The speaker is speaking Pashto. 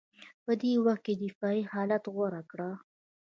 په دې وخت کې دفاعي حالت غوره کړ